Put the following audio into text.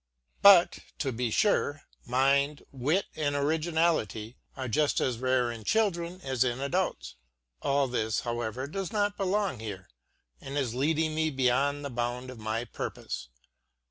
But, to be sure, mind, wit and originality are just as rare in children as in adults. All this, however, does not belong here, and is leading me beyond the bounds of my purpose.